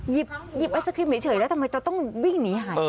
หยิบไอศครีมเฉยแล้วทำไมจะต้องวิ่งหนีหาย